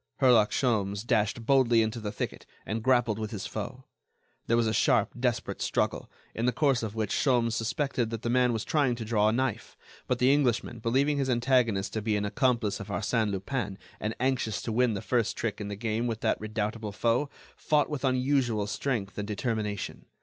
Herlock Sholmes dashed boldly into the thicket, and grappled with his foe. There was a sharp, desperate struggle, in the course of which Sholmes suspected that the man was trying to draw a knife. But the Englishman, believing his antagonist to be an accomplice of Arsène Lupin and anxious to win the first trick in the game with that redoubtable foe, fought with unusual strength and determination.